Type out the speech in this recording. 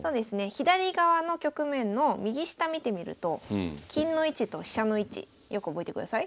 左側の局面の右下見てみると金の位置と飛車の位置よく覚えてください。